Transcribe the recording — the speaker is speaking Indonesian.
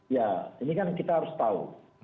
ya ini kan kita harus tahu